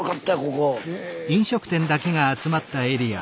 ここ。